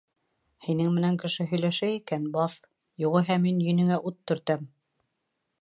— Һинең менән кеше һөйләшә икән — баҫ, юғиһә мин йөнөңә ут төртәм.